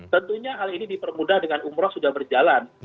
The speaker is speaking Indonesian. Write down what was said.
tentunya hal ini dipermudah dengan umroh sudah berjalan